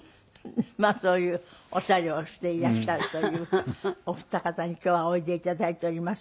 まあそういうオシャレをしていらっしゃるというお二方に今日はおいで頂いておりますが。